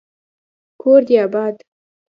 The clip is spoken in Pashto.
کور دي اباد